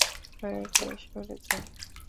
দয়া করে সরে যান।